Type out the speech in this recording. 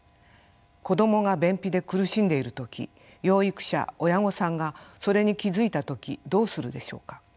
子どもが便秘で苦しんでいる時養育者親御さんがそれに気付いた時どうするでしょうか。